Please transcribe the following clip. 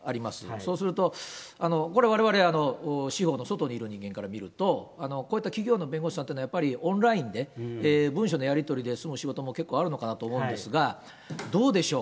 そうすると、これ、われわれ司法の外にいる人間から見ると、こういった企業の弁護士さんというのはオンラインで文書のやり取りで済む仕事も結構あるのかなと思うんですが、どうでしょう？